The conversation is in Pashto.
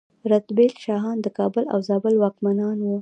رتبیل شاهان د کابل او زابل واکمنان وو